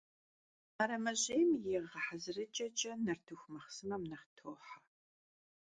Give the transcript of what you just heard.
Мэрэмэжьейм и гъэхьэзырыкIэкIэ нартыху махъсымэм нэхъ тохьэ.